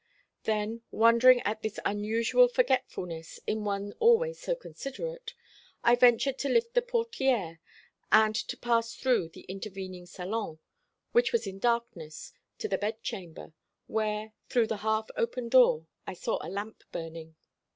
Then, wondering at this unusual forgetfulness in one always so considerate, I ventured to lift the portière and to pass through the intervening salon, which was in darkness, to the bedchamber, where, through the half open door, I saw a lamp burning.